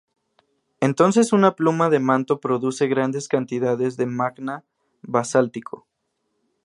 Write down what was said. Entonces una pluma de manto produce grandes cantidades de magma basáltico.